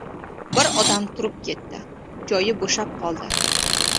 Bir odam turib ketdi, joyi bo‘shab qoldi.